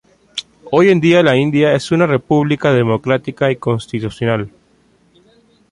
Hoy en día la India es una república democrática y constitucional.